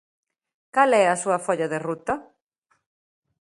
¿Cal é a súa folla de ruta?